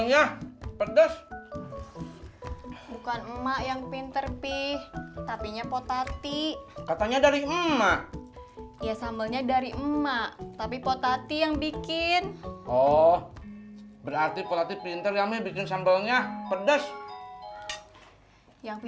ya udah deh bang